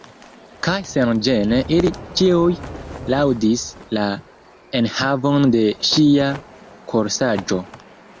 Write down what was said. Kaj senĝene, ili ĉiuj laŭdis la enhavon de ŝia korsaĵo.